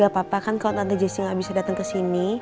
gak apa apa kan kalau tante jessy gak bisa datang kesini